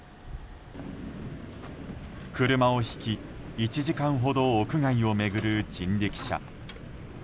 車を引き１時間ほど屋外を巡る人力車。